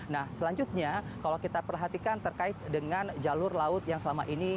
nah selanjutnya kalau kita perhatikan terkait dengan jalur laut yang selama ini